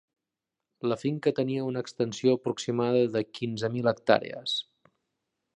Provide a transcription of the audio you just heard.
La finca tenia una extensió aproximada de quinze mil hectàrees.